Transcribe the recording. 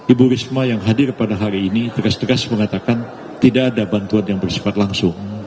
ibu risma yang hadir pada hari ini tegas tegas mengatakan tidak ada bantuan yang bersifat langsung